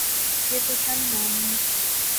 یہ تو چند نام ہیں۔